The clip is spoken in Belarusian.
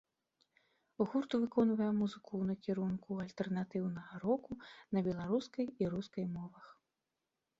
Гурт выконвае музыку ў накірунку альтэрнатыўнага року на беларускай і рускай мовах.